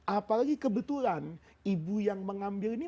apalagi kebetulan ibu yang mengambil ini